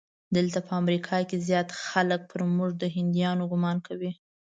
دلته په امریکا کې زیات خلک پر موږ د هندیانو ګومان کوي.